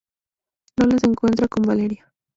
Lola se reencuentra con Valeria.